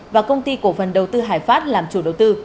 và công ty cổ phần đầu tư hải pháp làm chủ đầu tư